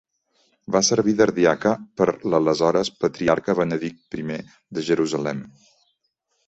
Va servir d'ardiaca per l'aleshores patriarca Benedict I de Jerusalem.